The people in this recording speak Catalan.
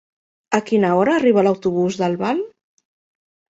A quina hora arriba l'autobús d'Albal?